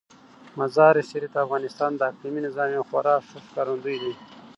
مزارشریف د افغانستان د اقلیمي نظام یو خورا ښه ښکارندوی دی.